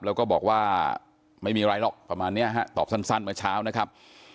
แล้วก็บอกว่าไม่มีอะไรหรอกประมาณนี้ฮะตอบสั้นเมื่อเช้านะครับ